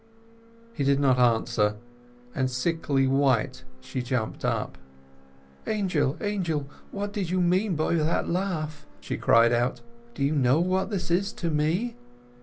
He did not answer; and, sickly white, she jumped up. "Angel, Angel! what do you mean by that laugh?" she cried out. "Do you know what this is to me?"